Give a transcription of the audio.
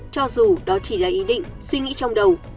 cho dù đó chỉ là ý định suy nghĩ trong đầu